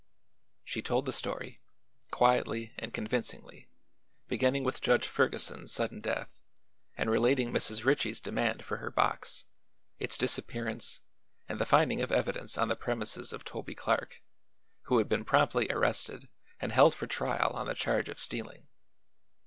She told the story, quietly and convincingly, beginning with Judge Ferguson's sudden death and relating Mrs. Ritchie's demand for her box, its disappearance and the finding of evidence on the premises of Toby Clark, who had been promptly arrested and held for trial on the charge of stealing.